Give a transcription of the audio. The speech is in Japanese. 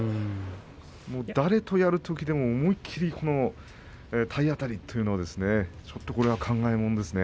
もう誰とやるときでも思い切り体当たりというのは考えものですね。